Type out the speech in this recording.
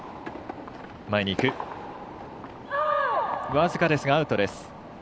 僅かですがアウトです。